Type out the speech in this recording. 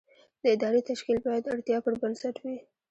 د ادارې تشکیل باید د اړتیاوو پر بنسټ وي.